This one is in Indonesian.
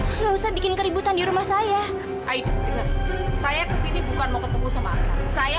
enggak usah bikin keributan di rumah saya aida saya kesini bukan mau ketemu sama saya